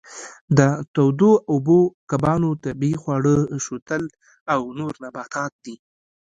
د تودو اوبو کبانو طبیعي خواړه شوتل او نور نباتات دي.